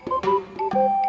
saya juga ngantuk